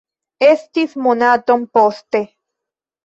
Estis monaton poste.